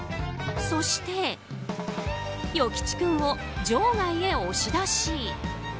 そして、与吉君を場外へ押し出し。